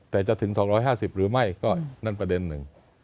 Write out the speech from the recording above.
แต่จะถึง๒๕๐หรือไม่ก็นั่นประเด็นหนึ่ง